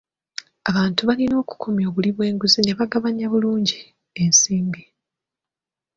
Abantu balina okukomya obuli bw'enguzi ne bagabanya bulungi ensimbi.